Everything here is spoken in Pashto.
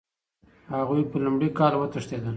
هغوی په لومړي کال کې وتښتېدل.